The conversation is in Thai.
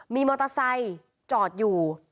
มีมอเตอร์ไซค์จอดอยู่